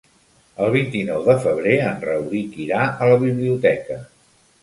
El vint-i-nou de febrer en Rauric irà a la biblioteca.